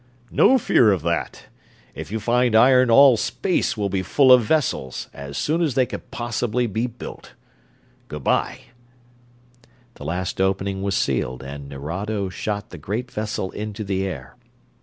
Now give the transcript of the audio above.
"No fear of that! If you find iron all space will be full of vessels, as soon as they can possibly be built good bye!" The last opening was sealed and Nerado shot the great vessel into the air.